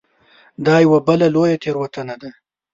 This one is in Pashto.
دا یوه بله لویه تېروتنه ده.